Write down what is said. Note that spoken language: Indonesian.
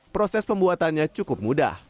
proses pembuatannya cukup mudah